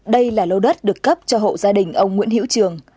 đây là lô đất được cấp cho hộ gia đình ông nguyễn hiễu trường